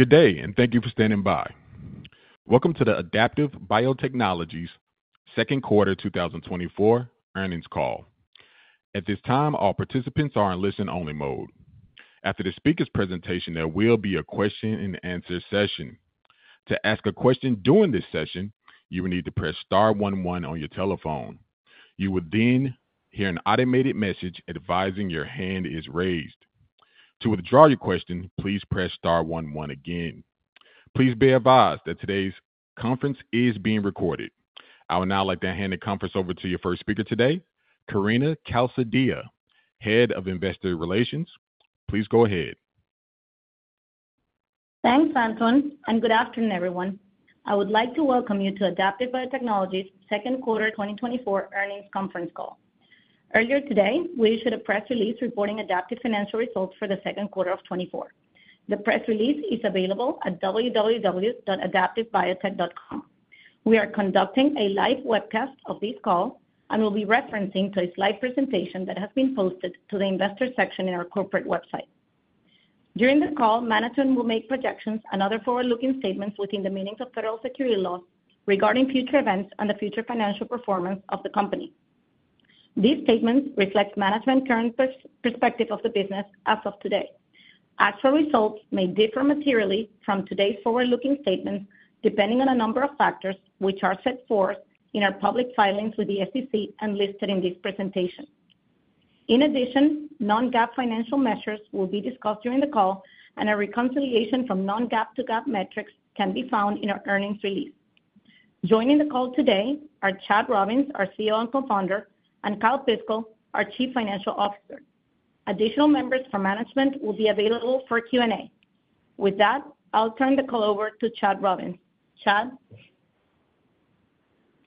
Good day, and thank you for standing by. Welcome to the Adaptive Biotechnologies Second Quarter 2024 Earnings Call. At this time, all participants are in listen-only mode. After the speaker's presentation, there will be a question-and-answer session. To ask a question during this session, you will need to press Star 11 on your telephone. You will then hear an automated message advising your hand is raised. To withdraw your question, please press Star 11 again. Please be advised that today's conference is being recorded. I would now like to hand the conference over to your first speaker today, Karina Calzadilla, Head of Investor Relations. Please go ahead. Thanks, Anton, and good afternoon, everyone. I would like to welcome you to Adaptive Biotechnologies' Second Quarter 2024 Earnings Conference Call. Earlier today, we issued a press release reporting Adaptive's financial results for the second quarter of 2024. The press release is available at www.adaptivebiotech.com. We are conducting a live webcast of this call and will be referring to a slide presentation that has been posted to the investor section of our corporate website. During the call, Management will make projections and other forward-looking statements within the meaning of federal securities laws regarding future events and the future financial performance of the company. These statements reflect Management's current perspective of the business as of today. As for results, they may differ materially from today's forward-looking statements depending on a number of factors which are set forth in our public filings with the SEC and listed in this presentation. In addition, non-GAAP financial measures will be discussed during the call, and a reconciliation from non-GAAP to GAAP metrics can be found in our earnings release. Joining the call today are Chad Robins, our CEO and Co-Founder, and Kyle Piskel, our Chief Financial Officer. Additional members from Management will be available for Q&A. With that, I'll turn the call over to Chad Robins. Chad.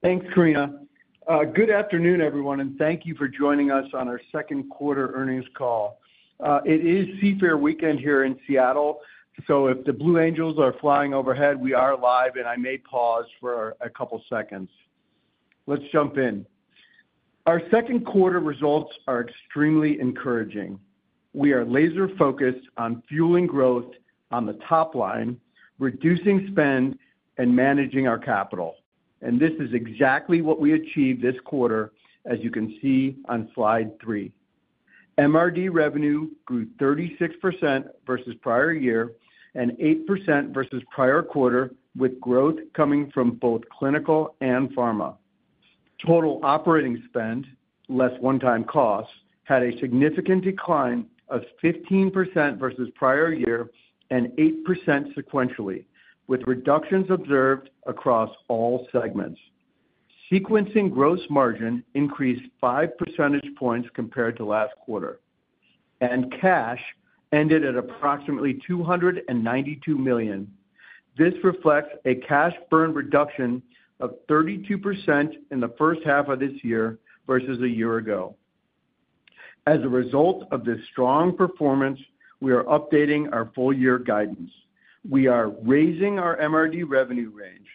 Thanks, Karina. Good afternoon, everyone, and thank you for joining us on our second quarter earnings call. It is Seafair weekend here in Seattle, so if the Blue Angels are flying overhead, we are live, and I may pause for a couple of seconds. Let's jump in. Our second quarter results are extremely encouraging. We are laser-focused on fueling growth on the top line, reducing spend, and managing our capital. This is exactly what we achieved this quarter, as you can see on slide 3. MRD revenue grew 36%, versus prior year and 8%, versus prior quarter, with growth coming from both clinical and pharma. Total operating spend, less one-time costs, had a significant decline of 15% ,versus prior year and 8%, sequentially, with reductions observed across all segments. Sequencing gross margin increased five percentage points compared to last quarter, and cash ended at approximately $292 million. This reflects a cash burn reduction of 32%, in the first half of this year versus a year ago. As a result of this strong performance, we are updating our full-year guidance. We are raising our MRD revenue range,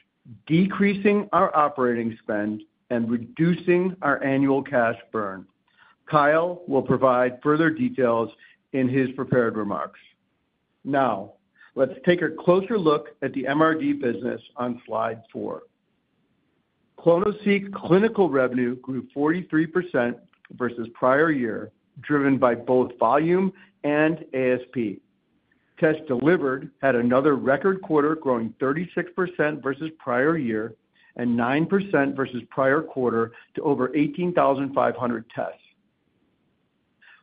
decreasing our operating spend, and reducing our annual cash burn. Kyle will provide further details in his prepared remarks. Now, let's take a closer look at the MRD business on slide four. clonoSEQ clinical revenue grew 43%, versus prior year, driven by both volume and ASP. Tests delivered had another record quarter, growing 36%, versus prior year and 9%, versus prior quarter to over 18,500 tests.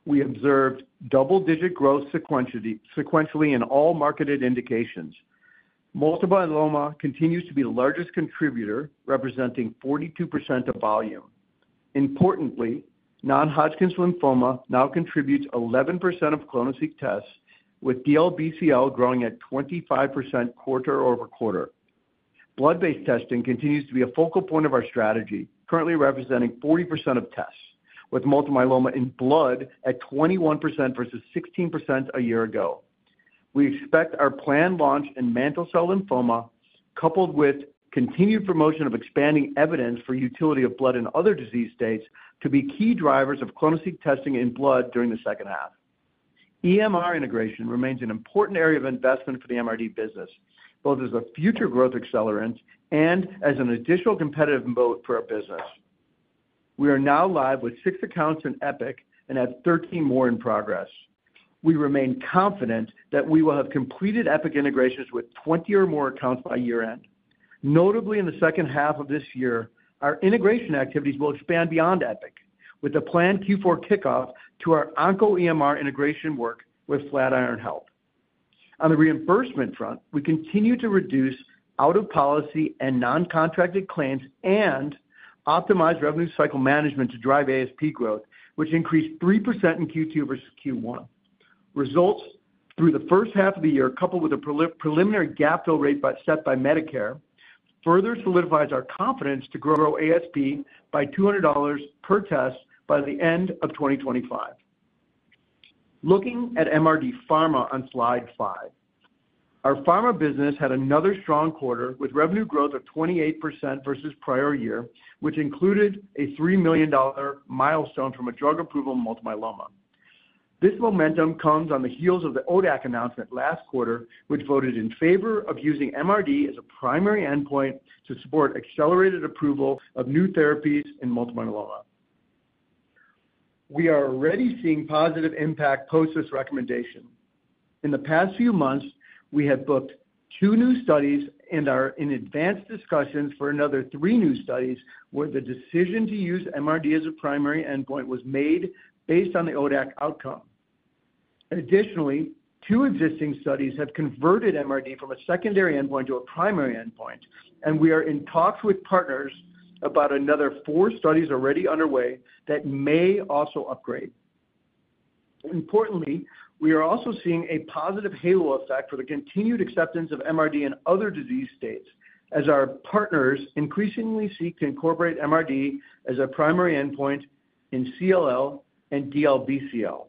We observed double-digit growth sequentially in all marketed indications. Multiple myeloma continues to be the largest contributor, representing 42%, of volume. Importantly, non-Hodgkin's lymphoma now contributes 11%, of clonoSEQ tests, with DLBCL growing at 25%, quarter-over-quarter. Blood-based testing continues to be a focal point of our strategy, currently representing 40% of tests, with multiple myeloma in blood at 21% versus 16%, a year ago. We expect our planned launch in Mantle Cell Lymphoma, coupled with continued promotion of expanding evidence for utility of blood in other disease states, to be key drivers of clonoSEQ testing in blood during the second half. EMR integration remains an important area of investment for the MRD business, both as a future growth accelerant and as an additional competitive moat for our business. We are now live with six accounts in Epic and have 13 more in progress. We remain confident that we will have completed Epic integrations with 20 or more accounts by year-end. Notably, in the second half of this year, our integration activities will expand beyond Epic, with a planned Q4 kickoff to our OncoEMR integration work with Flatiron Health. On the reimbursement front, we continue to reduce out-of-policy and non-contracted claims and optimize revenue cycle management to drive ASP growth, which increased 3%, in Q2 versus Q1. Results through the first half of the year, coupled with a preliminary gap fill rate set by Medicare, further solidifies our confidence to grow ASP by $200 per test by the end of 2025. Looking at MRD pharma on slide 5, our pharma business had another strong quarter with revenue growth of 28% versus prior year, which included a $3 million milestone from a drug approval in multiple myeloma. This momentum comes on the heels of the ODAC announcement last quarter, which voted in favor of using MRD as a primary endpoint to support accelerated approval of new therapies in multiple myeloma. We are already seeing positive impact post this recommendation. In the past few months, we have booked two new studies and are in advanced discussions for another three new studies where the decision to use MRD as a primary endpoint was made based on the ODAC outcome. Additionally, two existing studies have converted MRD from a secondary endpoint to a primary endpoint, and we are in talks with partners about another four studies already underway that may also upgrade. Importantly, we are also seeing a positive halo effect for the continued acceptance of MRD in other disease states as our partners increasingly seek to incorporate MRD as a primary endpoint in CLL and DLBCL.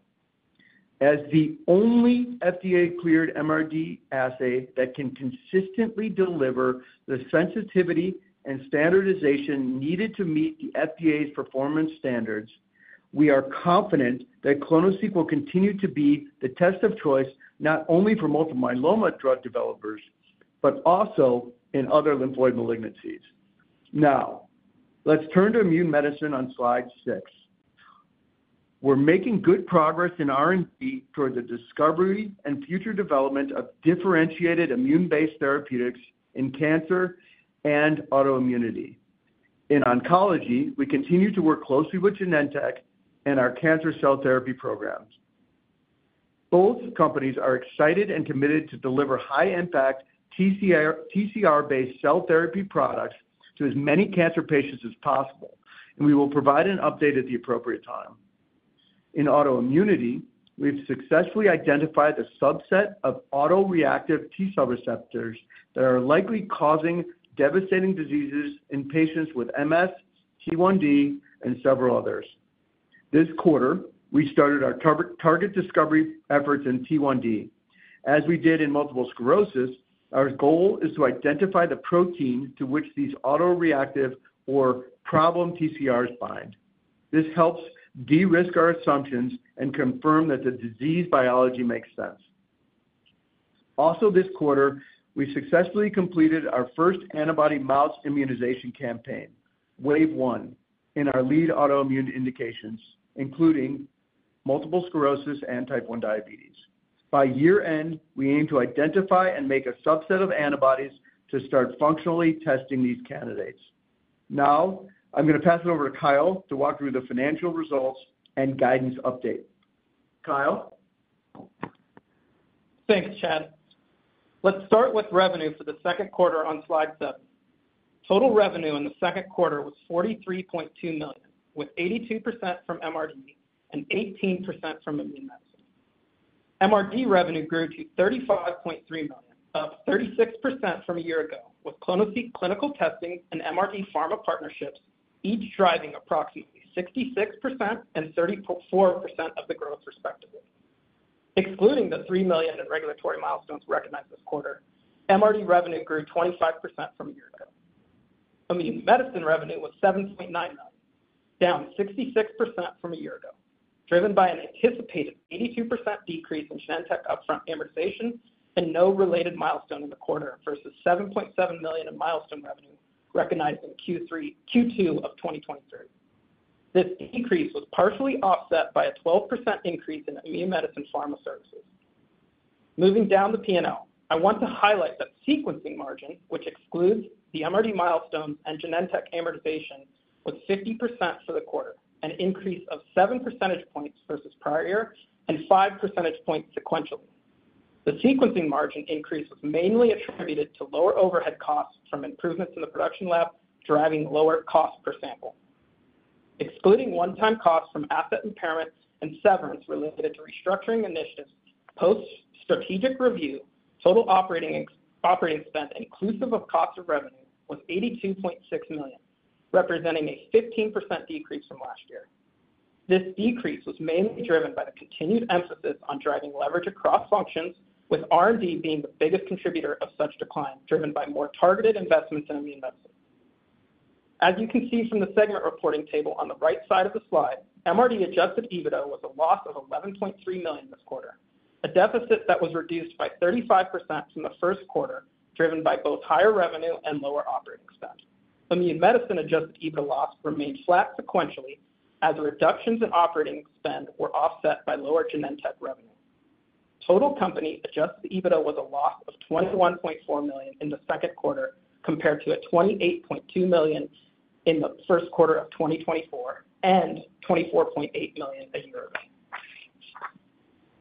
As the only FDA-cleared MRD assay that can consistently deliver the sensitivity and standardization needed to meet the FDA's performance standards, we are confident that clonoSEQ will continue to be the test of choice not only for multiple myeloma drug developers, but also in other lymphoid malignancies. Now, let's turn to immune medicine on slide 6. We're making good progress in R&D toward the discovery and future development of differentiated immune-based therapeutics in cancer and autoimmunity. In oncology, we continue to work closely with Genentech and our cancer cell therapy programs. Both companies are excited and committed to deliver high-impact TCR-based cell therapy products to as many cancer patients as possible, and we will provide an update at the appropriate time. In autoimmunity, we've successfully identified a subset of autoreactive T-cell receptors that are likely causing devastating diseases in patients with MS, T1D, and several others. This quarter, we started our target discovery efforts in T1D. As we did in multiple sclerosis, our goal is to identify the protein to which these autoreactive or problem TCRs bind. This helps de-risk our assumptions and confirm that the disease biology makes sense. Also, this quarter, we successfully completed our first antibody mouse immunization campaign, Wave One, in our lead autoimmune indications, including multiple sclerosis and type 1 diabetes. By year-end, we aim to identify and make a subset of antibodies to start functionally testing these candidates. Now, I'm going to pass it over to Kyle to walk through the financial results and guidance update. Kyle? Thanks, Chad. Let's start with revenue for the second quarter on slide seven. Total revenue in the second quarter was $43.2 million, with 82%, from MRD and 18% from immune medicine. MRD revenue grew to $35.3 million, up 36% from a year ago, with clonoSEQ clinical testing and MRD pharma partnerships each driving approximately 66% and 34% of the growth, respectively. Excluding the $3 million in regulatory milestones recognized this quarter, MRD revenue grew 25% from a year ago. Immune medicine revenue was $7.9 million, down 66% from a year ago, driven by an anticipated 82%, decrease in Genentech upfront immunization and no related milestone in the quarter versus $7.7 million in milestone revenue recognized in Q2 of 2023. This decrease was partially offset by a 12%, increase in immune medicine pharma services. Moving down the P&L, I want to highlight that sequencing margin, which excludes the MRD milestones and Genentech amortization, was 50%, for the quarter, an increase of 7 percentage points versus prior year and 5 percentage points sequentially. The sequencing margin increase was mainly attributed to lower overhead costs from improvements in the production lab, driving lower cost per sample. Excluding one-time costs from asset impairments and severance related to restructuring initiatives, post-strategic review, total operating spend inclusive of cost of revenue was $82.6 million, representing a 15% decrease from last year. This decrease was mainly driven by the continued emphasis on driving leverage across functions, with R&D being the biggest contributor of such decline, driven by more targeted investments in immune medicine. As you can see from the segment reporting table on the right side of the slide, MRD adjusted EBITDA was a loss of $11.3 million this quarter, a deficit that was reduced by 35% from the first quarter, driven by both higher revenue and lower operating spend. Immune medicine adjusted EBITDA loss remained flat sequentially as reductions in operating spend were offset by lower Genentech revenue. Total company adjusted EBITDA was a loss of $21.4 million in the second quarter compared to a $28.2 million in the first quarter of 2024 and $24.8 million a year ago.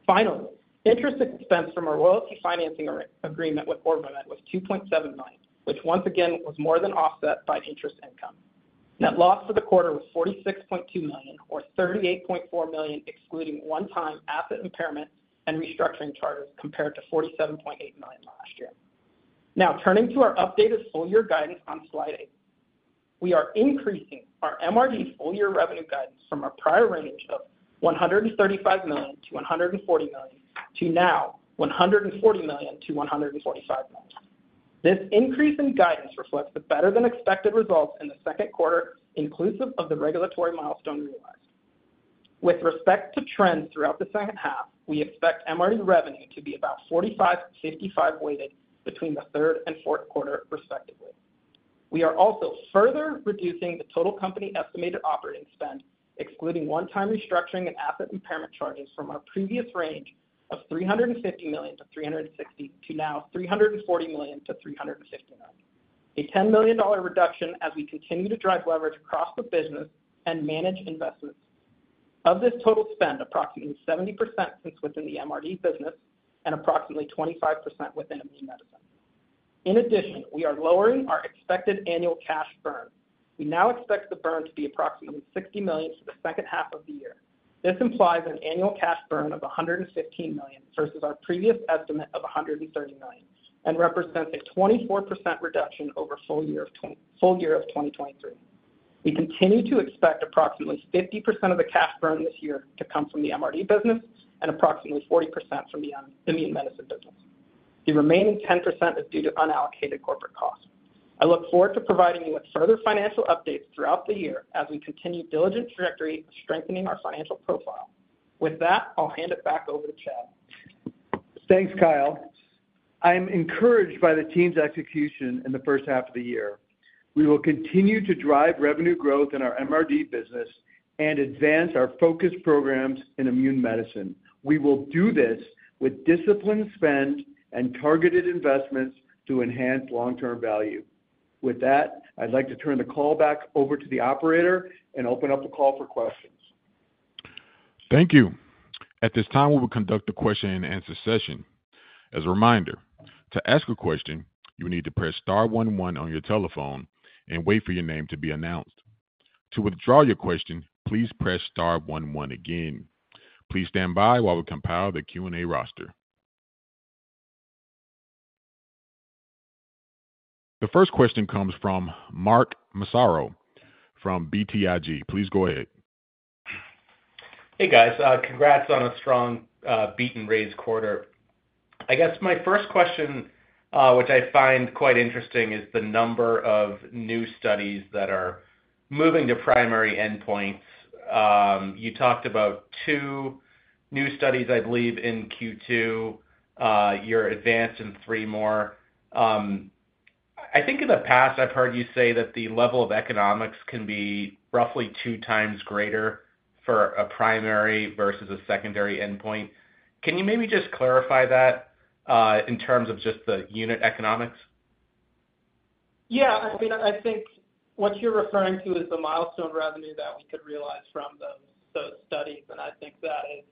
Finally, interest expense from a royalty financing agreement with OrbiMed was $2.7 million, which once again was more than offset by interest income. Net loss for the quarter was $46.2 million, or $38.4 million excluding one-time asset impairment and restructuring charges compared to $47.8 million last year. Now, turning to our updated full-year guidance on slide eight, we are increasing our MRD full-year revenue guidance from our prior range of $135 million-$140 million to now $140 million-$145 million. This increase in guidance reflects the better-than-expected results in the second quarter, inclusive of the regulatory milestone realized. With respect to trends throughout the second half, we expect MRD revenue to be about 45-55 weighted between the third and fourth quarter, respectively. We are also further reducing the total company estimated operating spend, excluding one-time restructuring and asset impairment charges from our previous range of $350 million-$360 million to now $340 million-$350 million. A $10 million reduction as we continue to drive leverage across the business and manage investments. Of this total spend, approximately 70% sits within the MRD business and approximately 25% within immune medicine. In addition, we are lowering our expected annual cash burn. We now expect the burn to be approximately $60 million for the second half of the year. This implies an annual cash burn of $115 million versus our previous estimate of $130 million and represents a 24%, reduction over full year of 2023. We continue to expect approximately 50%, of the cash burn this year to come from the MRD business and approximately 40%, from the immune medicine business. The remaining 10%, is due to unallocated corporate costs. I look forward to providing you with further financial updates throughout the year as we continue diligent trajectory of strengthening our financial profile. With that, I'll hand it back over to Chad. Thanks, Kyle. I'm encouraged by the team's execution in the first half of the year. We will continue to drive revenue growth in our MRD business and advance our focus programs in immune medicine. We will do this with disciplined spend and targeted investments to enhance long-term value. With that, I'd like to turn the call back over to the operator and open up the call for questions. Thank you. At this time, we will conduct the question-and-answer session. As a reminder, to ask a question, you need to press star 11 on your telephone and wait for your name to be announced. To withdraw your question, please press star 11 again. Please stand by while we compile the Q&A roster. The first question comes from Mark Massaro from BTIG. Please go ahead. Hey, guys. Congrats on a strong, beat-and-raise quarter. I guess my first question, which I find quite interesting, is the number of new studies that are moving to primary endpoints. You talked about 2 new studies, I believe, in Q2. You're advanced in 3 more. I think in the past, I've heard you say that the level of economics can be roughly 2 times greater for a primary versus a secondary endpoint. Can you maybe just clarify that in terms of just the unit economics? Yeah. I mean, I think what you're referring to is the milestone revenue that we could realize from those studies. And I think that is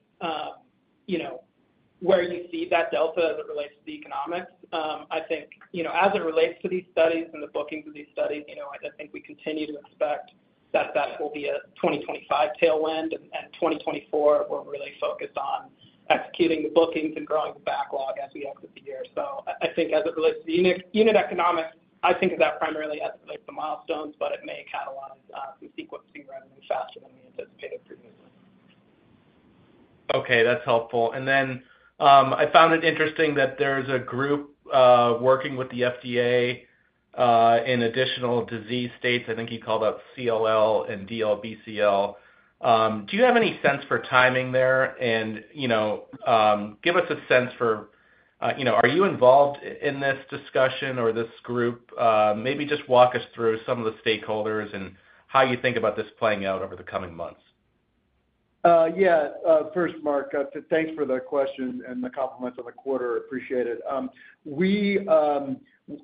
where you see that delta as it relates to the economics. I think as it relates to these studies and the bookings of these studies, I think we continue to expect that that will be a 2025 tailwind, and 2024, we're really focused on executing the bookings and growing the backlog as we exit the year. So I think as it relates to unit economics, I think that primarily escalates the milestones, but it may catalyze some sequencing revenue faster than we anticipated previously. Okay. That's helpful. And then I found it interesting that there's a group working with the FDA in additional disease states. I think you called out CLL and DLBCL. Do you have any sense for timing there? And give us a sense for are you involved in this discussion or this group? Maybe just walk us through some of the stakeholders and how you think about this playing out over the coming months. Yeah. First, Mark, thanks for the question and the compliments on the quarter. Appreciate it.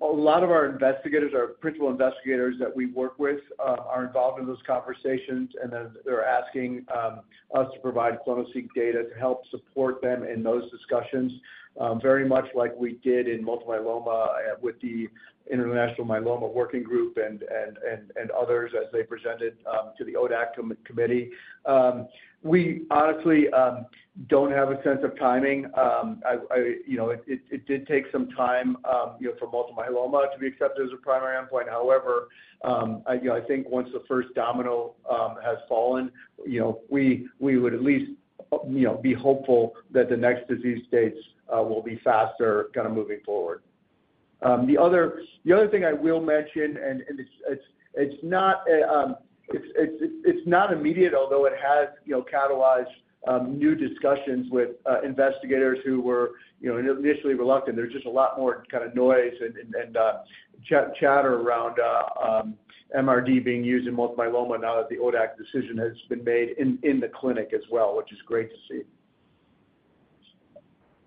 A lot of our investigators, our principal investigators that we work with, are involved in those conversations, and they're asking us to provide clonoSEQ data to help support them in those discussions, very much like we did in multiple myeloma with the International Myeloma Working Group and others as they presented to the ODAC committee. We honestly don't have a sense of timing. It did take some time for multiple myeloma to be accepted as a primary endpoint. However, I think once the first domino has fallen, we would at least be hopeful that the next disease states will be faster kind of moving forward. The other thing I will mention, and it's not immediate, although it has catalyzed new discussions with investigators who were initially reluctant. There's just a lot more kind of noise and chatter around MRD being used in multiple myeloma now that the ODAC decision has been made in the clinic as well, which is great to see.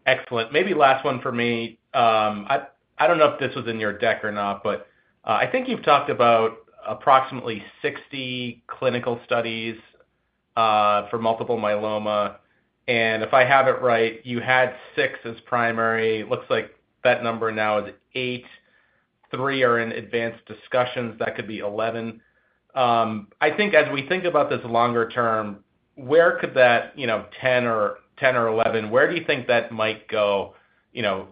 Excellent. Maybe last one for me. I don't know if this was in your deck or not, but I think you've talked about approximately 60 clinical studies for multiple myeloma. If I have it right, you had 6 as primary. Looks like that number now is 8. 3 are in advanced discussions. That could be 11. I think as we think about this longer term, where could that 10 or 11, where do you think that might go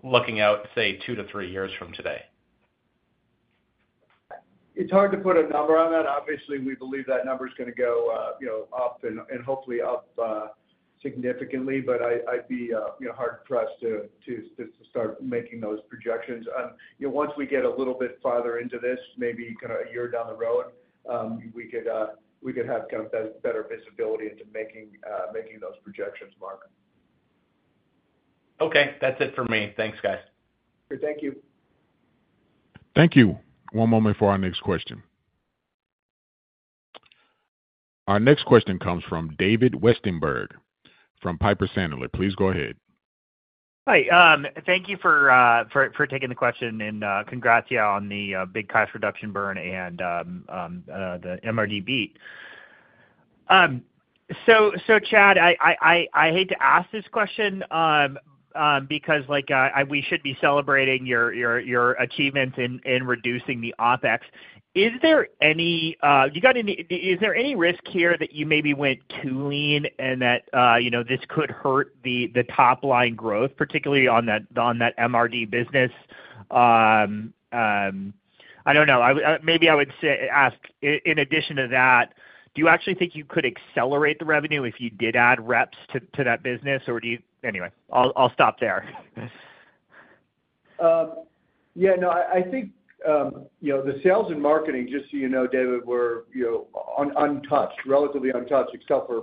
looking out, say, 2 to 3 years from today? It's hard to put a number on that. Obviously, we believe that number is going to go up and hopefully up significantly, but I'd be hard-pressed to start making those projections. Once we get a little bit farther into this, maybe kind of a year down the road, we could have kind of better visibility into making those projections, Mark. Okay. That's it for me. Thanks, guys. Thank you. Thank you. One moment for our next question. Our next question comes from David Westenberg from Piper Sandler. Please go ahead. Hi. Thank you for taking the question, and congrats to you on the big cash reduction burn and the MRD beat. So, Chad, I hate to ask this question because we should be celebrating your achievements in reducing the OpEx. Is there any risk here that you maybe went too lean and that this could hurt the top-line growth, particularly on that MRD business? I don't know. Maybe I would ask, in addition to that, do you actually think you could accelerate the revenue if you did add reps to that business, or do you? Anyway, I'll stop there. Yeah. No, I think the sales and marketing, just so you know, David, were relatively untouched, except for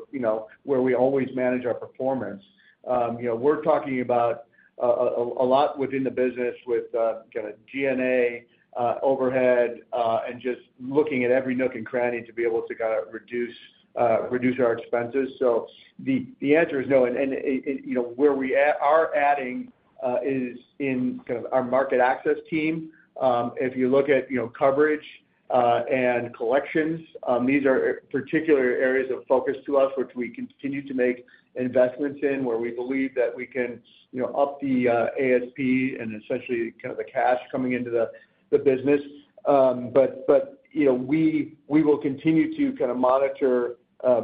where we always manage our performance. We're talking about a lot within the business with kind of G&A overhead and just looking at every nook and cranny to be able to kind of reduce our expenses. So the answer is no. And where we are adding is in kind of our market access team. If you look at coverage and collections, these are particular areas of focus to us, which we continue to make investments in, where we believe that we can up the ASP and essentially kind of the cash coming into the business. But we will continue to kind of monitor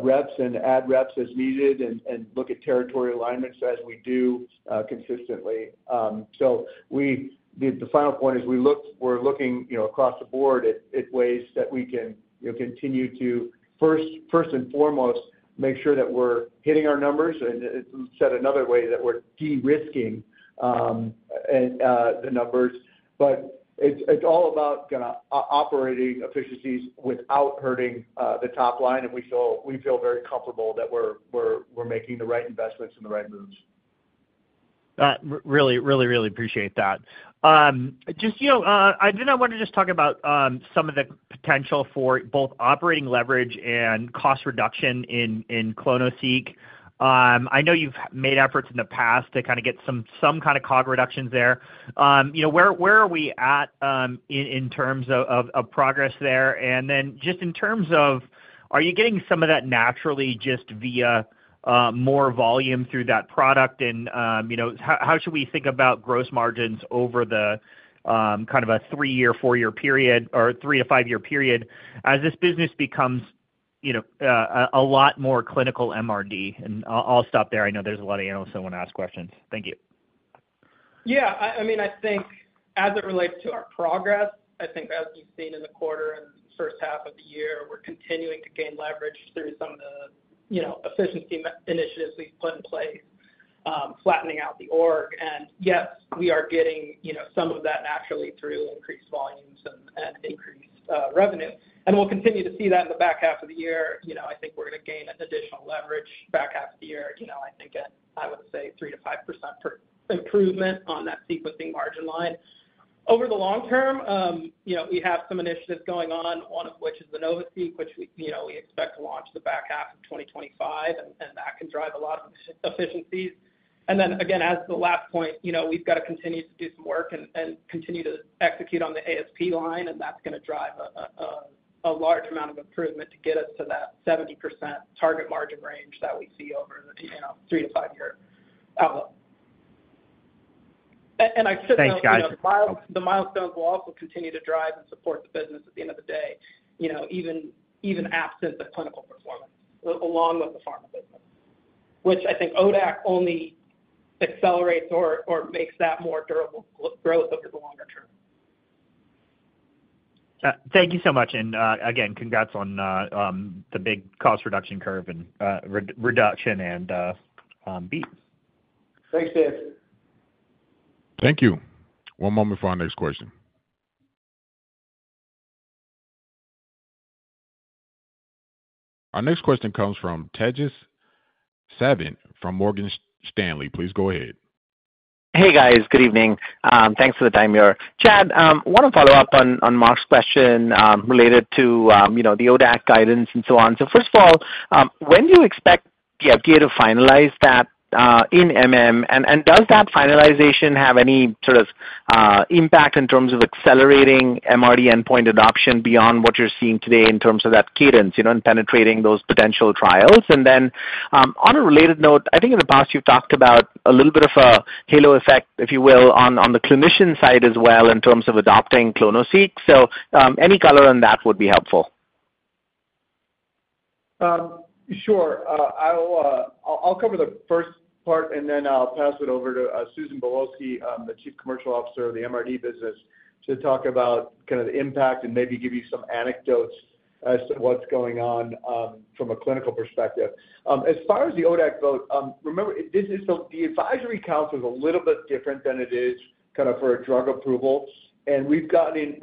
reps and add reps as needed and look at territory alignments as we do consistently. The final point is we're looking across the board at ways that we can continue to, first and foremost, make sure that we're hitting our numbers. It's said another way that we're de-risking the numbers. It's all about kind of operating efficiencies without hurting the top line. We feel very comfortable that we're making the right investments and the right moves. Really, really, really appreciate that. I didn't want to just talk about some of the potential for both operating leverage and cost reduction in clonoSEQ. I know you've made efforts in the past to kind of get some kind of COG reductions there. Where are we at in terms of progress there? And then just in terms of, are you getting some of that naturally just via more volume through that product? And how should we think about gross margins over the kind of a three-year, four-year period or three to five-year period as this business becomes a lot more clinical MRD? And I'll stop there. I know there's a lot of analysts that want to ask questions. Thank you. Yeah. I mean, I think as it relates to our progress, I think as you've seen in the quarter and first half of the year, we're continuing to gain leverage through some of the efficiency initiatives we've put in place, flattening out the org. And yes, we are getting some of that naturally through increased volumes and increased revenue. And we'll continue to see that in the back half of the year. I think we're going to gain additional leverage back half of the year, I think at, I would say, 3%-5% improvement on that sequencing margin line. Over the long term, we have some initiatives going on, one of which is the NovaSeq, which we expect to launch the back half of 2025, and that can drive a lot of efficiencies. Then, again, as the last point, we've got to continue to do some work and continue to execute on the ASP line, and that's going to drive a large amount of improvement to get us to that 70%, target margin range that we see over the 3-5-year outlook. I should note that the milestones will also continue to drive and support the business at the end of the day, even absent the clinical performance, along with the pharma business, which I think ODAC only accelerates or makes that more durable growth over the longer term. Thank you so much. Again, congrats on the big cost reduction curve and reduction and beat. Thanks, Dave. Thank you. One moment for our next question. Our next question comes from Tejas Savant from Morgan Stanley. Please go ahead. Hey, guys. Good evening. Thanks for the time, y'all. Chad, I want to follow up on Mark's question related to the ODAC guidance and so on. So first of all, when do you expect the FDA to finalize that? And does that finalization have any sort of impact in terms of accelerating MRD endpoint adoption beyond what you're seeing today in terms of that cadence and penetrating those potential trials? And then on a related note, I think in the past you've talked about a little bit of a halo effect, if you will, on the clinician side as well in terms of adopting clonoSEQ. So any color on that would be helpful. Sure. I'll cover the first part, and then I'll pass it over to Susan Bobulsky, the Chief Commercial Officer of the MRD business, to talk about kind of the impact and maybe give you some anecdotes as to what's going on from a clinical perspective. As far as the ODAC vote, remember, the advisory council is a little bit different than it is kind of for a drug approval. We've gotten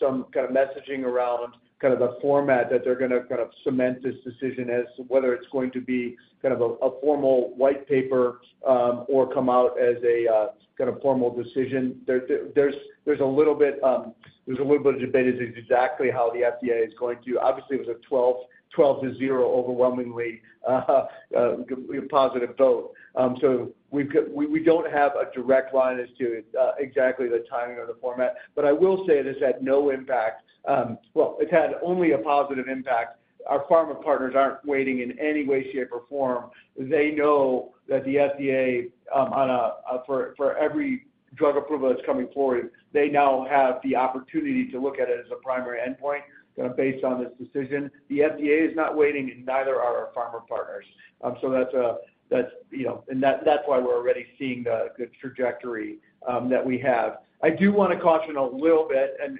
some kind of messaging around kind of the format that they're going to kind of cement this decision as to whether it's going to be kind of a formal white paper or come out as a kind of formal decision. There's a little bit of debate as to exactly how the FDA is going to. Obviously, it was a 12-0 overwhelmingly positive vote. So we don't have a direct line as to exactly the timing or the format. But I will say this had no impact. Well, it had only a positive impact. Our pharma partners aren't waiting in any way, shape, or form. They know that the FDA, for every drug approval that's coming forward, they now have the opportunity to look at it as a primary endpoint based on this decision. The FDA is not waiting, and neither are our pharma partners. So that's why we're already seeing the trajectory that we have. I do want to caution a little bit, and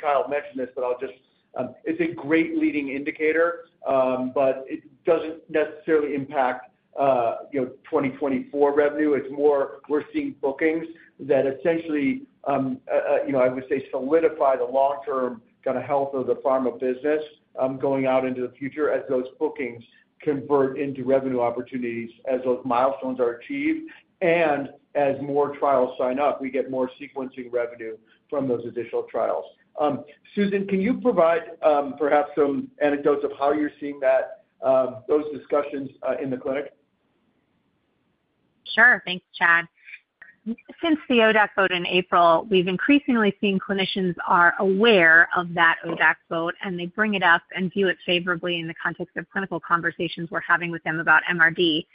Kyle mentioned this, but I'll just say it's a great leading indicator, but it doesn't necessarily impact 2024 revenue. It's more we're seeing bookings that essentially, I would say, solidify the long-term kind of health of the pharma business going out into the future as those bookings convert into revenue opportunities as those milestones are achieved. And as more trials sign up, we get more sequencing revenue from those additional trials. Susan, can you provide perhaps some anecdotes of how you're seeing those discussions in the clinic? Sure. Thanks, Chad. Since the ODAC vote in April, we've increasingly seen clinicians are aware of that ODAC vote, and they bring it up and view it favorably in the context of clinical conversations we're having with them about MRD.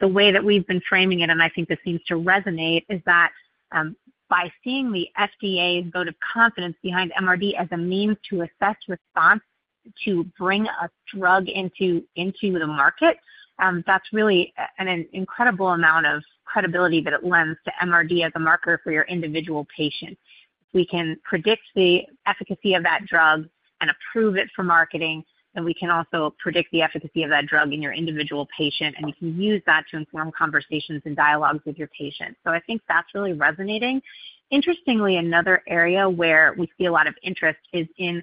The way that we've been framing it, and I think this seems to resonate, is that by seeing the FDA's vote of confidence behind MRD as a means to assess response to bring a drug into the market, that's really an incredible amount of credibility that it lends to MRD as a marker for your individual patient. If we can predict the efficacy of that drug and approve it for marketing, then we can also predict the efficacy of that drug in your individual patient, and you can use that to inform conversations and dialogues with your patients. So I think that's really resonating. Interestingly, another area where we see a lot of interest is in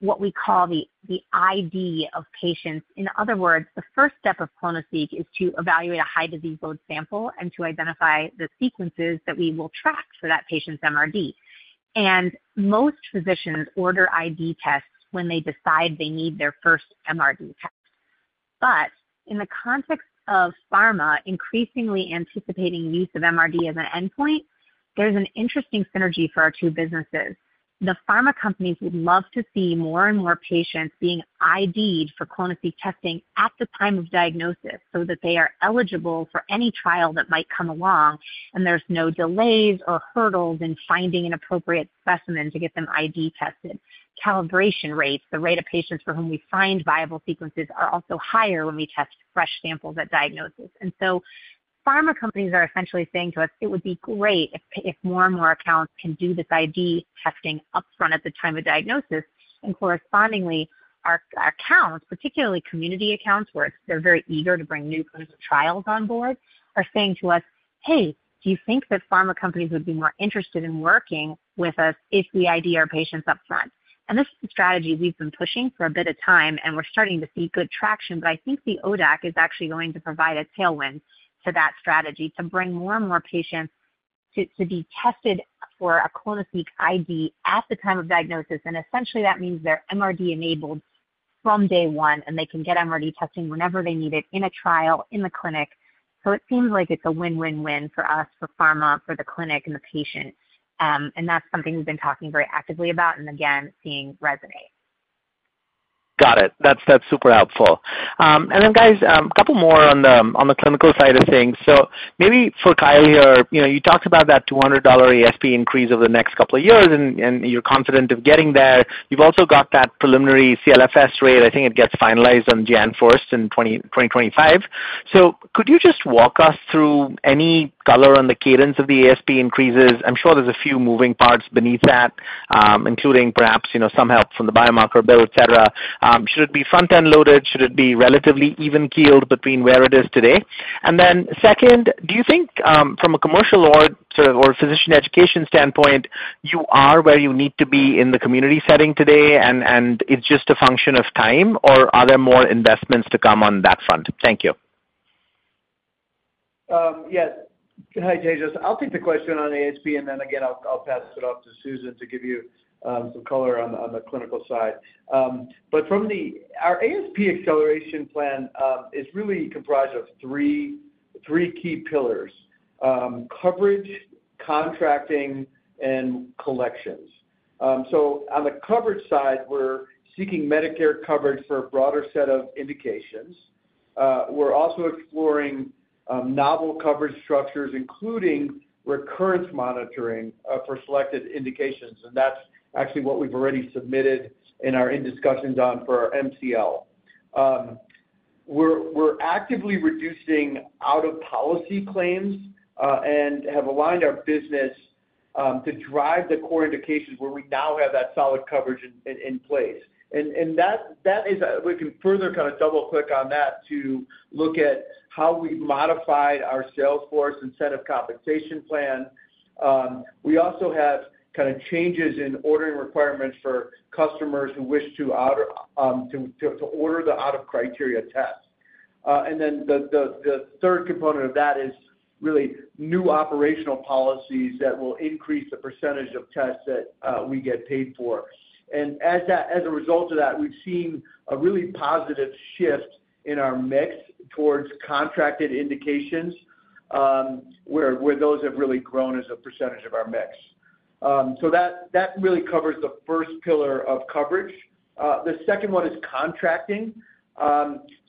what we call the ID of patients. In other words, the first step of clonoSEQ is to evaluate a high-disease load sample and to identify the sequences that we will track for that patient's MRD. And most physicians order ID tests when they decide they need their first MRD test. But in the context of pharma increasingly anticipating use of MRD as an endpoint, there's an interesting synergy for our two businesses. The pharma companies would love to see more and more patients being IDed for clonoSEQ testing at the time of diagnosis so that they are eligible for any trial that might come along, and there's no delays or hurdles in finding an appropriate specimen to get them ID tested. Calibration rates, the rate of patients for whom we find viable sequences, are also higher when we test fresh samples at diagnosis. And so pharma companies are essentially saying to us, "It would be great if more and more accounts can do this ID testing upfront at the time of diagnosis." And correspondingly, our accounts, particularly community accounts where they're very eager to bring new clinical trials on board, are saying to us, "Hey, do you think that pharma companies would be more interested in working with us if we ID our patients upfront?" And this is a strategy we've been pushing for a bit of time, and we're starting to see good traction. But I think the ODAC is actually going to provide a tailwind to that strategy to bring more and more patients to be tested for a clonoSEQ ID at the time of diagnosis. And essentially, that means they're MRD-enabled from day one, and they can get MRD testing whenever they need it in a trial in the clinic. So it seems like it's a win-win-win for us, for pharma, for the clinic, and the patient. And that's something we've been talking very actively about and, again, seeing resonate. Got it. That's super helpful. And then, guys, a couple more on the clinical side of things. So maybe for Kyle here, you talked about that $200 ASP increase over the next couple of years, and you're confident of getting there. You've also got that preliminary CLFS rate. I think it gets finalized on January 1st, 2025. So could you just walk us through any color on the cadence of the ASP increases? I'm sure there's a few moving parts beneath that, including perhaps some help from the biomarker bill, etc. Should it be front-end loaded? Should it be relatively even keeled between where it is today? And then second, do you think from a commercial or physician education standpoint, you are where you need to be in the community setting today, and it's just a function of time, or are there more investments to come on that front? Thank you. Yes. Hi, Tejas. I'll take the question on ASP, and then again, I'll pass it off to Susan to give you some color on the clinical side. But our ASP acceleration plan is really comprised of three key pillars: coverage, contracting, and collections. So on the coverage side, we're seeking Medicare coverage for a broader set of indications. We're also exploring novel coverage structures, including recurrence monitoring for selected indications. And that's actually what we've already submitted and are in discussions on for our MCL. We're actively reducing out-of-policy claims and have aligned our business to drive the core indications where we now have that solid coverage in place. And we can further kind of double-click on that to look at how we've modified our Salesforce incentive compensation plan. We also have kind of changes in ordering requirements for customers who wish to order the out-of-criteria test. And then the third component of that is really new operational policies that will increase the percentage of tests that we get paid for. And as a result of that, we've seen a really positive shift in our mix towards contracted indications, where those have really grown as a percentage of our mix. So that really covers the first pillar of coverage. The second one is contracting.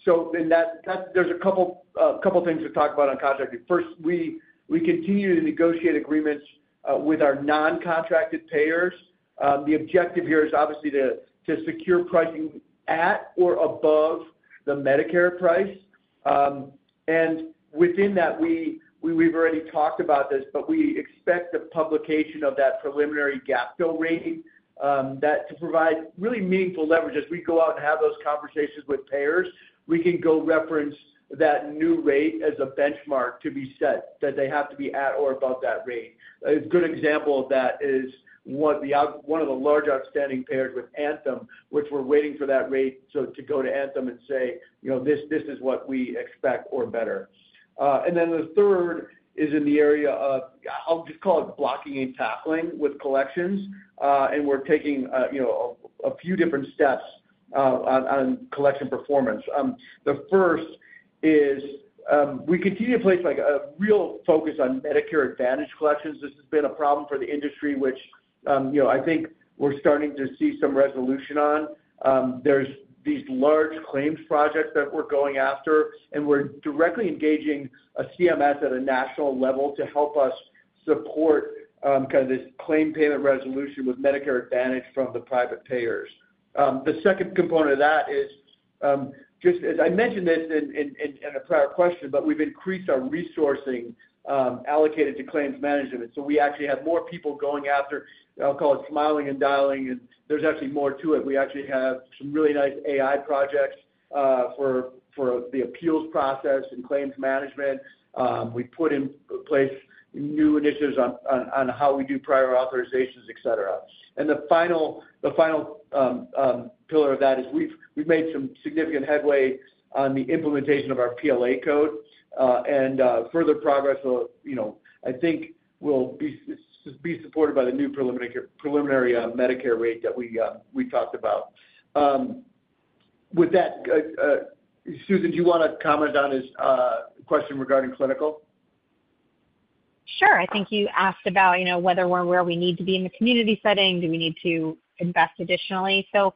So there's a couple of things to talk about on contracting. First, we continue to negotiate agreements with our non-contracted payers. The objective here is obviously to secure pricing at or above the Medicare price. And within that, we've already talked about this, but we expect the publication of that preliminary gap fill rate to provide really meaningful leverage. As we go out and have those conversations with payers, we can go reference that new rate as a benchmark to be set that they have to be at or above that rate. A good example of that is one of the large outstanding payers with Anthem, which we're waiting for that rate to go to Anthem and say, "This is what we expect or better." Then the third is in the area of, I'll just call it blocking and tackling with collections. We're taking a few different steps on collection performance. The first is we continue to place a real focus on Medicare Advantage collections. This has been a problem for the industry, which I think we're starting to see some resolution on. There's these large claims projects that we're going after, and we're directly engaging a CMS at a national level to help us support kind of this claim payment resolution with Medicare Advantage from the private payers. The second component of that is, as I mentioned this in a prior question, but we've increased our resourcing allocated to claims management. So we actually have more people going after, I'll call it smiling and dialing, and there's actually more to it. We actually have some really nice AI projects for the appeals process and claims management. We've put in place new initiatives on how we do prior authorizations, etc. And the final pillar of that is we've made some significant headway on the implementation of our PLA code. And further progress, I think, will be supported by the new preliminary Medicare rate that we talked about. With that, Susan, do you want to comment on his question regarding clinical? Sure. I think you asked about whether we're where we need to be in the community setting. Do we need to invest additionally? So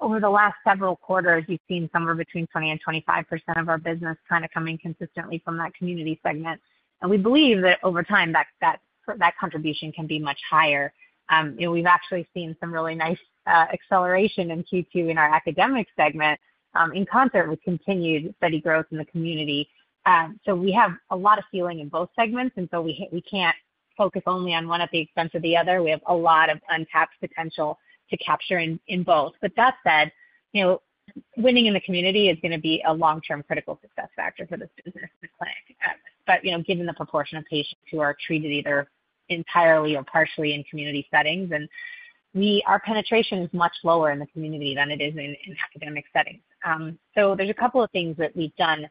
over the last several quarters, you've seen somewhere between 20%-25%, of our business kind of coming consistently from that community segment. And we believe that over time, that contribution can be much higher. We've actually seen some really nice acceleration in Q2 in our academic segment in concert with continued steady growth in the community. So we have a lot of ceiling in both segments, and so we can't focus only on one at the expense of the other. We have a lot of untapped potential to capture in both. But that said, winning in the community is going to be a long-term critical success factor for this business, but given the proportion of patients who are treated either entirely or partially in community settings. Our penetration is much lower in the community than it is in academic settings. So there's a couple of things that we've done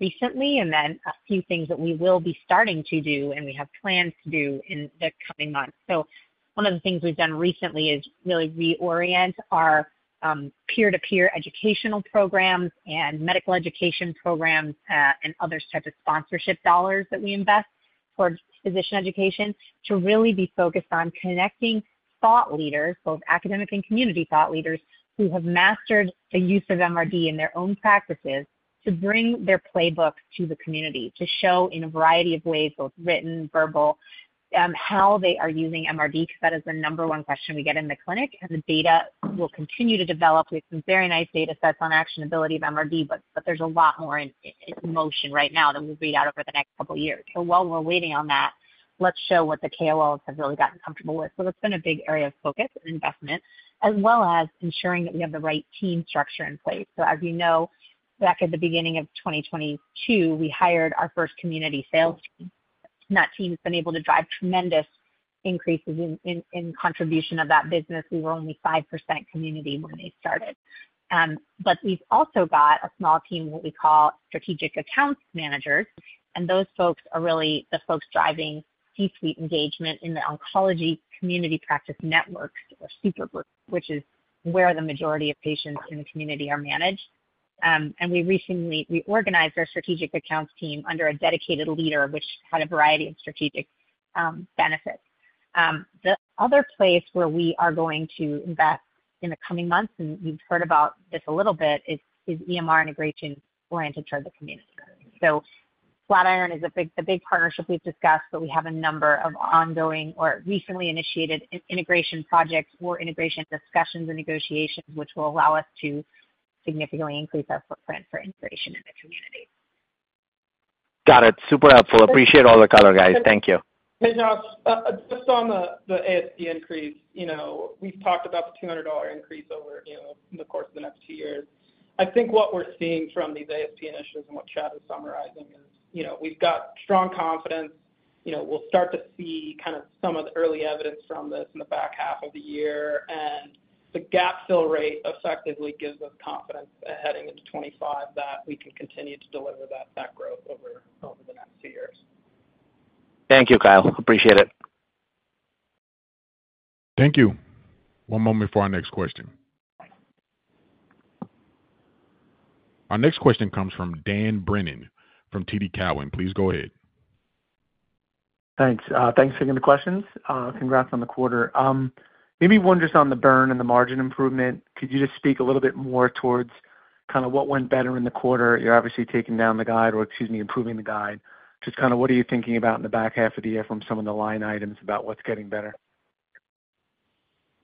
recently and then a few things that we will be starting to do and we have plans to do in the coming months. So one of the things we've done recently is really reorient our peer-to-peer educational programs and medical education programs and other types of sponsorship dollars that we invest towards physician education to really be focused on connecting thought leaders, both academic and community thought leaders, who have mastered the use of MRD in their own practices to bring their playbooks to the community to show in a variety of ways, both written, verbal, how they are using MRD, because that is the number one question we get in the clinic. The data will continue to develop. We have some very nice data sets on actionability of MRD, but there's a lot more in motion right now that we'll read out over the next couple of years. So while we're waiting on that, let's show what the KOLs have really gotten comfortable with. So that's been a big area of focus and investment, as well as ensuring that we have the right team structure in place. So as you know, back at the beginning of 2022, we hired our first community sales team. That team has been able to drive tremendous increases in contribution of that business. We were only 5% community when they started. But we've also got a small team, what we call strategic accounts managers. And those folks are really the folks driving C-suite engagement in the oncology community practice networks or super groups, which is where the majority of patients in the community are managed. And we recently reorganized our strategic accounts team under a dedicated leader, which had a variety of strategic benefits. The other place where we are going to invest in the coming months, and you've heard about this a little bit, is EMR integration oriented toward the community. So Flatiron is a big partnership we've discussed, but we have a number of ongoing or recently initiated integration projects or integration discussions and negotiations, which will allow us to significantly increase our footprint for integration in the community. Got it. Super helpful. Appreciate all the color, guys. Thank you. Tejas, just on the ASP increase, we've talked about the $200 increase over the course of the next two years. I think what we're seeing from these ASP initiatives and what Chad was summarizing is we've got strong confidence. We'll start to see kind of some of the early evidence from this in the back half of the year. And the GAPTO rate effectively gives us confidence heading into 2025 that we can continue to deliver that growth over the next two years. Thank you, Kyle. Appreciate it. Thank you. One moment before our next question. Our next question comes from Dan Brennan from TD Cowen. Please go ahead. Thanks. Thanks for getting the questions. Congrats on the quarter. Maybe one just on the burn and the margin improvement. Could you just speak a little bit more towards kind of what went better in the quarter? You're obviously taking down the guide or, excuse me, improving the guide. Just kind of what are you thinking about in the back half of the year from some of the line items about what's getting better?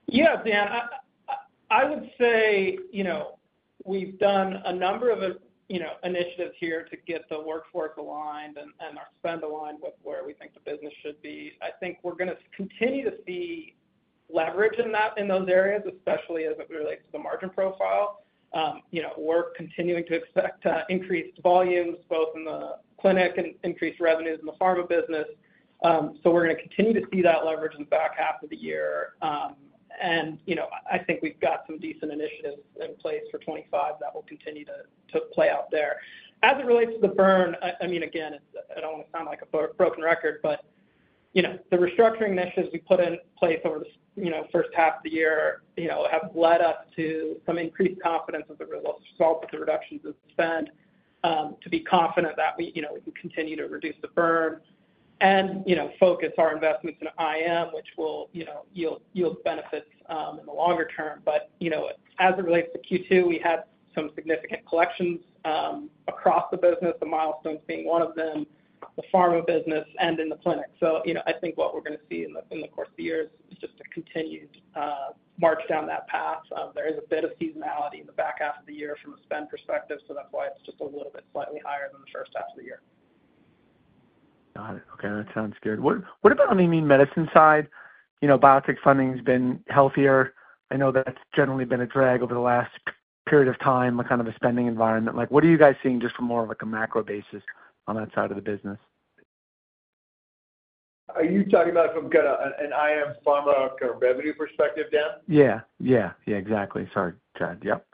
Yeah, Dan. I would say we've done a number of initiatives here to get the workforce aligned and our spend aligned with where we think the business should be. I think we're going to continue to see leverage in those areas, especially as it relates to the margin profile. We're continuing to expect increased volumes both in the clinic and increased revenues in the pharma business. So we're going to continue to see that leverage in the back half of the year. And I think we've got some decent initiatives in place for 2025 that will continue to play out there. As it relates to the burn, I mean, again, I don't want to sound like a broken record, but the restructuring initiatives we put in place over the first half of the year have led us to some increased confidence as a result of the reductions in spend to be confident that we can continue to reduce the burn and focus our investments in IM, which will yield benefits in the longer term. But as it relates to Q2, we had some significant collections across the business, the milestones being one of them, the pharma business, and in the clinic. So I think what we're going to see in the course of the year is just a continued march down that path. There is a bit of seasonality in the back half of the year from a spend perspective, so that's why it's just a little bit slightly higher than the first half of the year. Got it. Okay. That sounds good. What about on the immune medicine side? Biotech funding has been healthier. I know that's generally been a drag over the last period of time, kind of a spending environment. What are you guys seeing just from more of a macro basis on that side of the business? Are you talking about from an IM pharma revenue perspective, Dan? Yeah. Yeah. Yeah. Exactly. Sorry, Chad. Yep.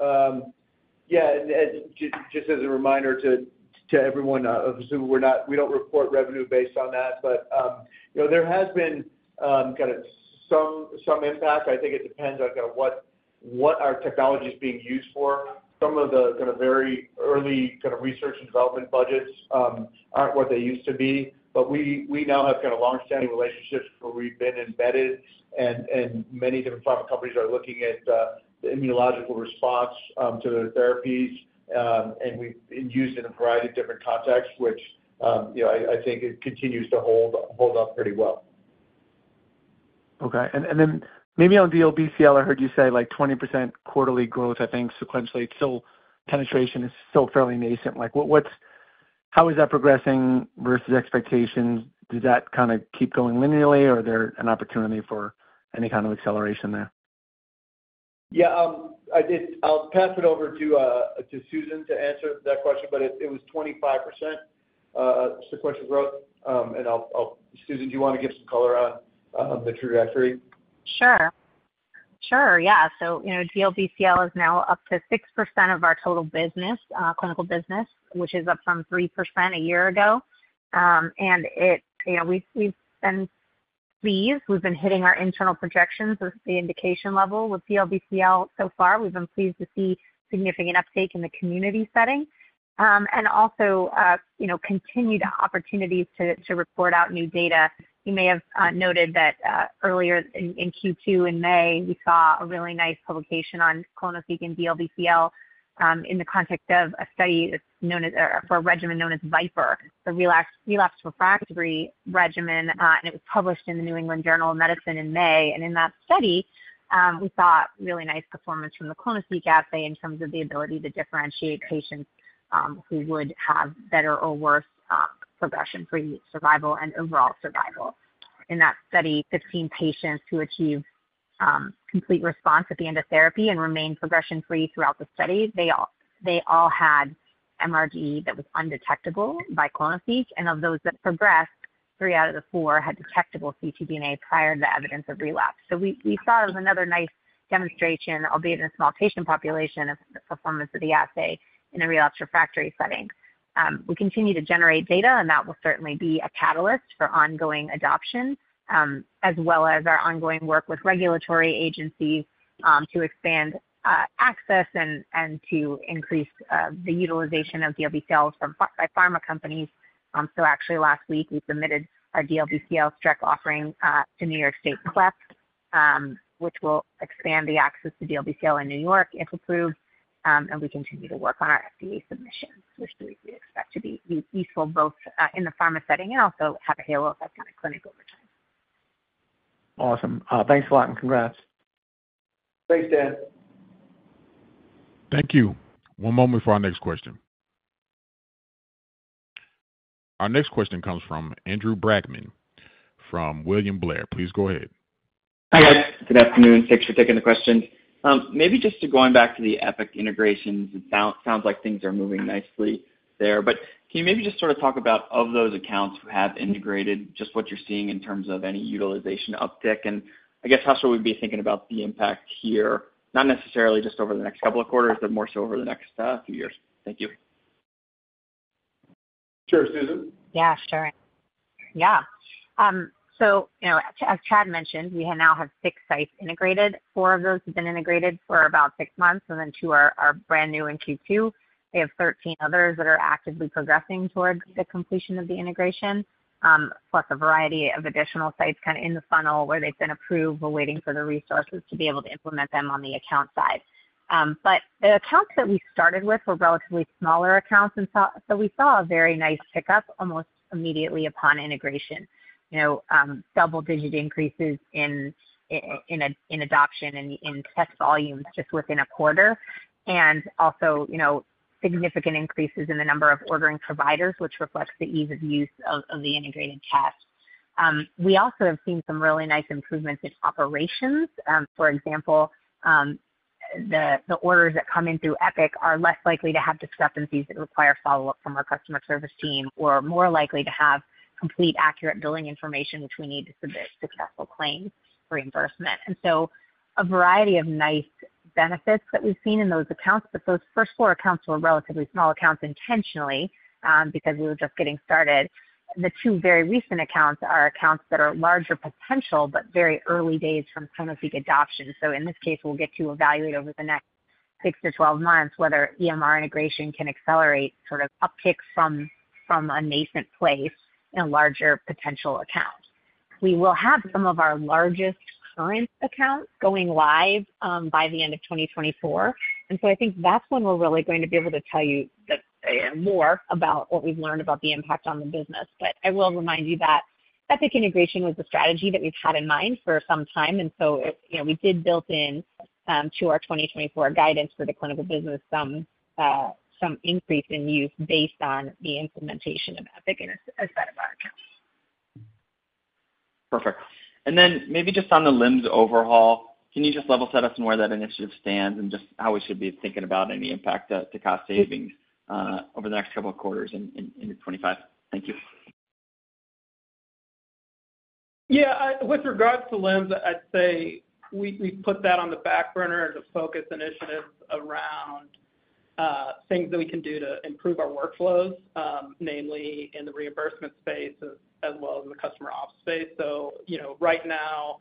Yeah. And just as a reminder to everyone of Zoom, we don't report revenue based on that, but there has been kind of some impact. I think it depends on kind of what our technology is being used for. Some of the kind of very early kind of research and development budgets aren't what they used to be, but we now have kind of long-standing relationships where we've been embedded, and many different pharma companies are looking at the immunological response to their therapies, and we've used it in a variety of different contexts, which I think continues to hold up pretty well. Okay. Then maybe on DLBCL, I heard you say 20% quarterly growth, I think, sequentially. Penetration is still fairly nascent. How is that progressing versus expectations? Does that kind of keep going linearly, or is there an opportunity for any kind of acceleration there? Yeah. I'll pass it over to Susan to answer that question, but it was 25% sequential growth. And Susan, do you want to give some color on the trajectory? Sure. Sure. Yeah. So DLBCL is now up to 6% of our total clinical business, which is up from 3% a year ago. And we've been pleased. We've been hitting our internal projections with the indication level. With DLBCL so far, we've been pleased to see significant uptake in the community setting and also continued opportunities to report out new data. You may have noted that earlier in Q2 in May, we saw a really nice publication on clonoSEQ and DLBCL in the context of a study for a regimen known as ViPOR, the relapse refractory regimen. And it was published in the New England Journal of Medicine in May. And in that study, we saw really nice performance from the clonoSEQ assay in terms of the ability to differentiate patients who would have better or worse progression-free survival and overall survival. In that study, 15 patients who achieved complete response at the end of therapy and remained progression-free throughout the study, they all had MRD that was undetectable by clonoSEQ. And of those that progressed, three out of the four had detectable ctDNA prior to the evidence of relapse. So we thought it was another nice demonstration, albeit in a small patient population, of the performance of the assay in a relapse refractory setting. We continue to generate data, and that will certainly be a catalyst for ongoing adoption, as well as our ongoing work with regulatory agencies to expand access and to increase the utilization of DLBCL by pharma companies. So actually, last week, we submitted our DLBCL clonoSEQ offering to New York State CLEP, which will expand the access to DLBCL in New York if approved, and we continue to work on our FDA submissions, which we expect to be useful both in the pharma setting and also have a halo effect on the clinic over time. Awesome. Thanks a lot, and congrats. Thanks, Dan. Thank you. One moment for our next question. Our next question comes from Andrew Brackmann from William Blair. Please go ahead. Hi, guys. Good afternoon. Thanks for taking the question. Maybe just going back to the Epic integrations, it sounds like things are moving nicely there. But can you maybe just sort of talk about those accounts who have integrated, just what you're seeing in terms of any utilization uptick? And I guess, how should we be thinking about the impact here, not necessarily just over the next couple of quarters, but more so over the next few years? Thank you. Sure, Susan. Yeah, sure. Yeah. So as Chad mentioned, we now have 6 sites integrated. 4 of those have been integrated for about 6 months, and then 2 are brand new in Q2. We have 13 others that are actively progressing toward the completion of the integration, plus a variety of additional sites kind of in the funnel where they've been approved, but waiting for the resources to be able to implement them on the account side. But the accounts that we started with were relatively smaller accounts, and so we saw a very nice pickup almost immediately upon integration: double-digit increases in adoption and test volumes just within a quarter, and also significant increases in the number of ordering providers, which reflects the ease of use of the integrated test. We also have seen some really nice improvements in operations. For example, the orders that come in through Epic are less likely to have discrepancies that require follow-up from our customer service team or more likely to have complete, accurate billing information, which we need to submit successful claims for reimbursement. So a variety of nice benefits that we've seen in those accounts, but those first four accounts were relatively small accounts intentionally because we were just getting started. The two very recent accounts are accounts that are larger potential, but very early days from clonoSEQ adoption. So in this case, we'll get to evaluate over the next 6-12 months whether EMR integration can accelerate sort of uptick from a nascent place in a larger potential account. We will have some of our largest current accounts going live by the end of 2024. And so I think that's when we're really going to be able to tell you more about what we've learned about the impact on the business. But I will remind you that Epic integration was the strategy that we've had in mind for some time. And so we did build in to our 2024 guidance for the clinical business some increase in use based on the implementation of Epic as part of our accounts. Perfect. And then maybe just on the LIMS overhaul, can you just level set us on where that initiative stands and just how we should be thinking about any impact to cost savings over the next couple of quarters into 2025? Thank you. Yeah. With regards to LIMS, I'd say we put that on the back burner as a focus initiative around things that we can do to improve our workflows, namely in the reimbursement space as well as in the customer ops space. So right now,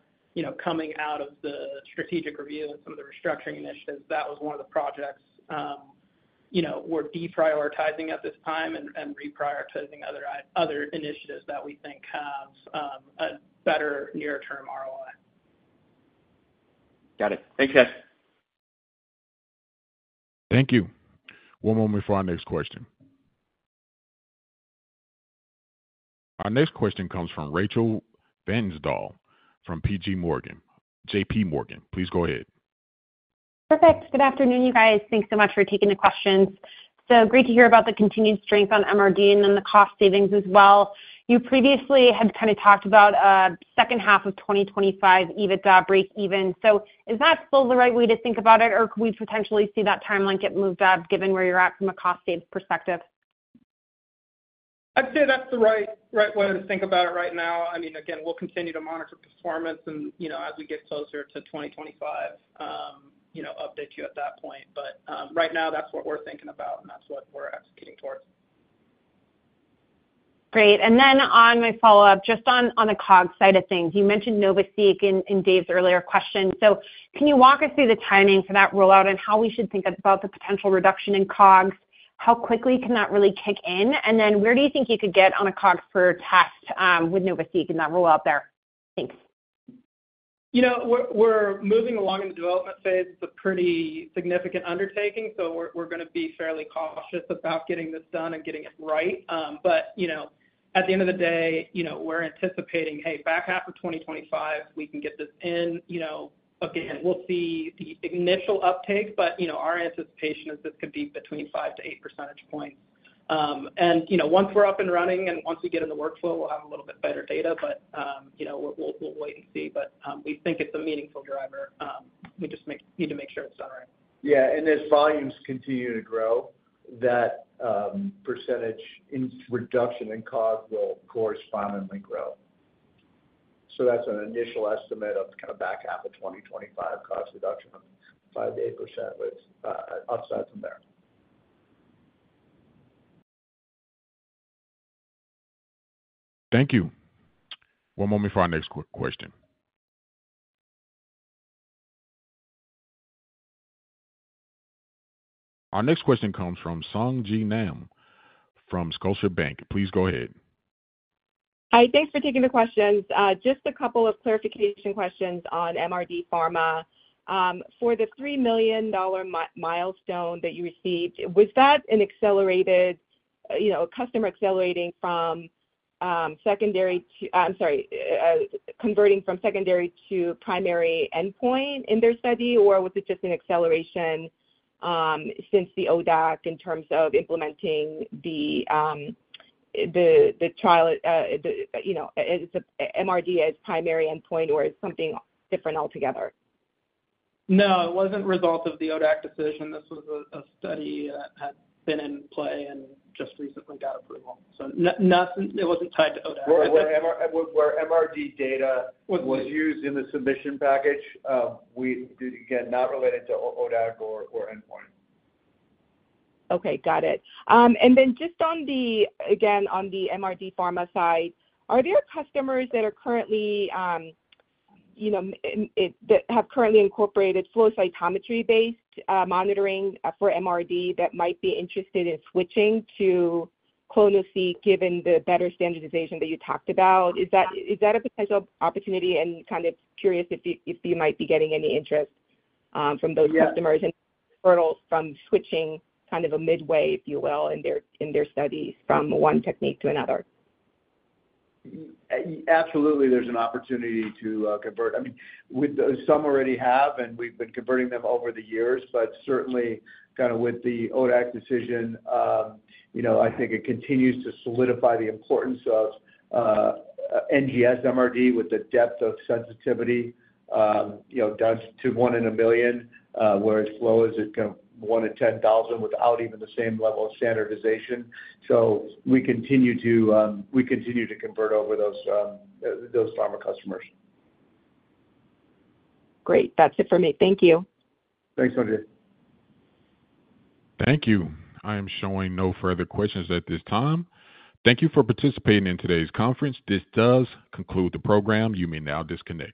coming out of the strategic review and some of the restructuring initiatives, that was one of the projects we're deprioritizing at this time and reprioritizing other initiatives that we think have a better near-term ROI. Got it. Thanks, guys. Thank you. One moment before our next question. Our next question comes from Rachel Vatnsdal from P.J. Morgan. J.P. Morgan, please go ahead. Perfect. Good afternoon, you guys. Thanks so much for taking the questions. So great to hear about the continued strength on MRD and then the cost savings as well. You previously had kind of talked about second half of 2025, even EBITDA breakeven. So is that still the right way to think about it, or could we potentially see that timeline get moved up given where you're at from a cost-saving perspective? I'd say that's the right way to think about it right now. I mean, again, we'll continue to monitor performance, and as we get closer to 2025, update you at that point. But right now, that's what we're thinking about, and that's what we're executing towards. Great. And then on my follow-up, just on the COGS side of things, you mentioned NovaSeq in Dave's earlier question. So can you walk us through the timing for that rollout and how we should think about the potential reduction in COGS? How quickly can that really kick in? And then where do you think you could get on a COGS per test with NovaSeq in that rollout there? Thanks. We're moving along in the development phase. It's a pretty significant undertaking, so we're going to be fairly cautious about getting this done and getting it right. But at the end of the day, we're anticipating, "Hey, back half of 2025, we can get this in." Again, we'll see the initial uptake, but our anticipation is this could be between 5-8 percentage points. And once we're up and running and once we get in the workflow, we'll have a little bit better data, but we'll wait and see. But we think it's a meaningful driver. We just need to make sure it's done right. Yeah. And as volumes continue to grow, that percentage reduction in COGS will correspondingly grow. So that's an initial estimate of kind of back half of 2025, COGS reduction of 5%-8%, but upside from there. Thank you. One moment for our next question. Our next question comes from Sung Ji Nam from Scotiabank. Please go ahead. Hi. Thanks for taking the questions. Just a couple of clarification questions on MRD Pharma. For the $3 million milestone that you received, was that an accelerated customer accelerating from secondary to - I'm sorry - converting from secondary to primary endpoint in their study, or was it just an acceleration since the ODAC in terms of implementing the trial? Is MRD as primary endpoint, or is it something different altogether? No, it wasn't a result of the ODAC decision. This was a study that had been in play and just recently got approval. So it wasn't tied to ODAC. Were MRD data-- Was it? Was used in the submission package? Again, not related to ODAC or endpoint. Okay. Got it. And then just again on the MRD Pharma side, are there customers that have currently incorporated flow cytometry-based monitoring for MRD that might be interested in switching to clonoSEQ given the better standardization that you talked about? Is that a potential opportunity? And kind of curious if you might be getting any interest from those customers and hurdles from switching kind of a midway, if you will, in their studies from one technique to another. Absolutely. There's an opportunity to convert. I mean, some already have, and we've been converting them over the years, but certainly kind of with the ODAC decision, I think it continues to solidify the importance of NGS MRD with the depth of sensitivity down to 1 in a million, whereas flow is kind of 1 in 10,000 without even the same level of standardization. So we continue to convert over those pharma customers. Great. That's it for me. Thank you. Thanks, Andrea. Thank you. I am showing no further questions at this time. Thank you for participating in today's conference. This does conclude the program. You may now disconnect.